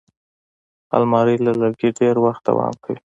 الماري له لرګي ډېر وخت دوام کوي